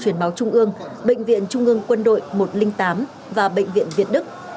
chuyển máu trung ương bệnh viện trung ương quân đội một trăm linh tám và bệnh viện việt đức